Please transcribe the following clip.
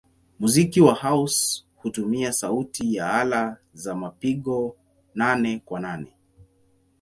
Muziki wa house hutumia sauti ya ala za mapigo nane-kwa-nane.